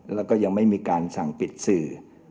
แล้วก็ยังไม่มีการสั่งปิดสื่อ